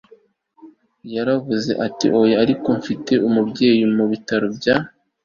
Yaravuze ati Oya ariko mfite umubyeyi mu bitaro bya